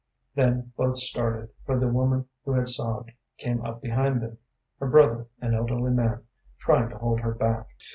Then both started, for the woman who had sobbed came up behind them, her brother, an elderly man, trying to hold her back.